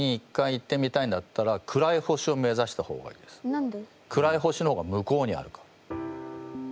何で？